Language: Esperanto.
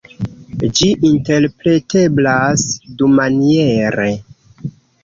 Ĝi interpreteblas dumaniere.